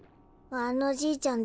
あのじいちゃん